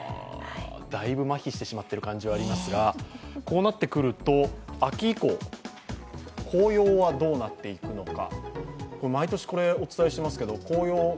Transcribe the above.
だいぶまひしてしまっている感じはありますが、こうなってくると、秋以降、紅葉はどうなっていくのか。